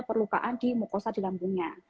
perlukaan di mukosa di lambungnya